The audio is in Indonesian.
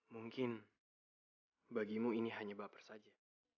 mungkin bagimu ini hanya baper saja